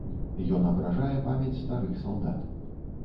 Ён абражае памяць старых салдат.